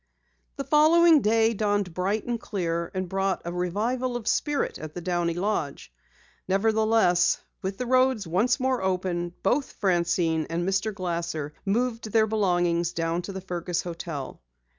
The following day dawned bright and clear and brought a revival of spirit at the Downey lodge. Nevertheless, with the roads open once more, both Francine and Mr. Glasser moved their belongings down to the Fergus hotel.